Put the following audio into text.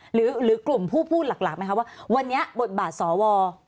หรือกลุ่มผู้พูดหลักไหมคะว่าวันนี้บทบาทสว